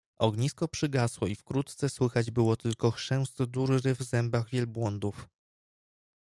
Ognisko przygasło i wkrótce słychać było tylko chrzęst durry w zębach wielbłądów.